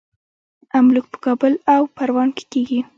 املوک په کابل او پروان کې کیږي.